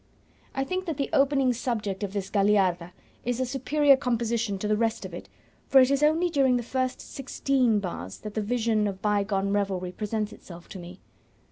I think that the opening subject of this Gagliarda is a superior composition to the rest of it, for it is only during the first sixteen bars that the vision of bygone revelry presents itself to me.